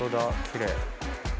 きれい。